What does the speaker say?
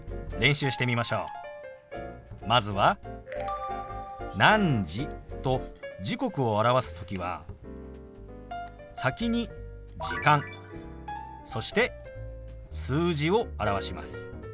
まずは「何時」と時刻を表す時は先に「時間」そして数字を表します。